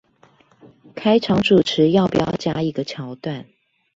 開場主持要不要加一個橋段